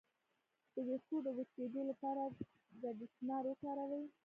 د ویښتو د وچ کیدو لپاره کنډیشنر وکاروئ